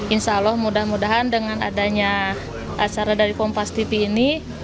insya allah mudah mudahan dengan adanya acara dari kompas tv ini